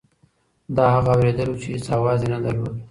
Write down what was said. دا هغه اورېدل وو چې هېڅ اواز یې نه درلود.